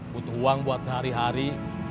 butuh uang buat sehari hari